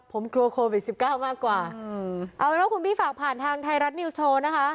ผมกลัวโควิด๑๙มากกว่าเอาล่ะคุณบี้ฝากผ่านทางไทยรัฐนิวส์โชว์นะคะ